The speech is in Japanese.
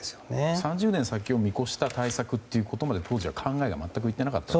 ３０年先を見越した対策ということまで当時は考えが全く、いっていなかったと。